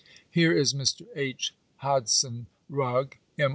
Here is Mr. H. Hodson Eugg, M.